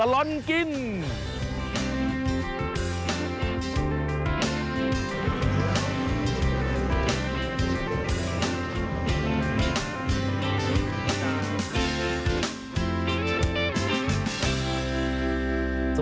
แม่เล็กครับ